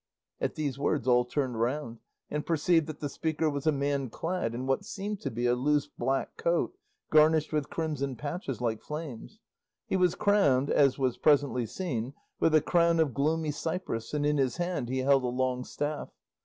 At these words all turned round, and perceived that the speaker was a man clad in what seemed to be a loose black coat garnished with crimson patches like flames. He was crowned (as was presently seen) with a crown of gloomy cypress, and in his hand he held a long staff.